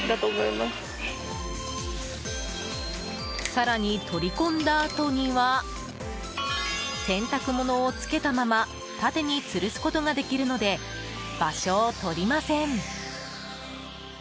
更に取り込んだあとには洗濯物をつけたまま縦につるすことができるので場所をとりません。